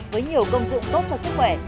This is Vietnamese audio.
với nhiều công dụng tốt cho sức khỏe